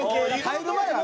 入る前はね。